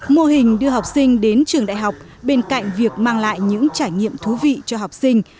mô hình đưa học sinh đến trường đại học bên cạnh việc mang lại những trải nghiệm thú vị cho học sinh